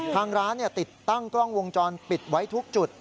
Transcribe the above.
ทางร้านติดตั้งกล้องวงจรปิดไว้ทุกจุด